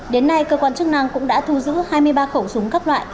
đến nay cơ quan chức năng cũng đã thu giữ hai mươi ba khẩu súng các loại